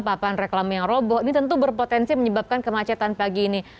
papan reklami yang roboh ini tentu berpotensi menyebabkan kemacetan pagi ini